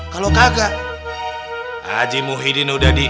kalau kagak haji muhyiddin udah di